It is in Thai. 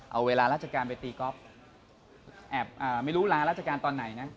เอาเวลาราชการไปตีก๊อฟแอบไม่รู้ลาราชการตอนไหนนะ